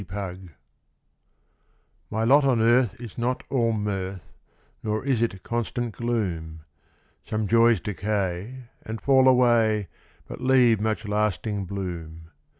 MY LOT My lot on earth is not all mirth, Nor is it constant gloom; Some joys decay and fall away, But leave much lasting bloom.